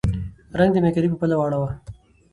رنګ د مېکدې په بله واړوه